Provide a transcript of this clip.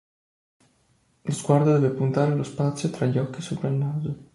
Lo sguardo deve puntare lo spazio tra gli occhi sopra il naso.